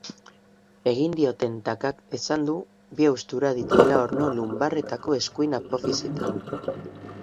Egin dioten takak esan du bi haustura dituela orno lunbarretako eskuin apofisietan.